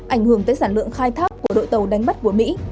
ảnh hưởng tới sản lượng khai thác của đội tàu đánh bắt của mỹ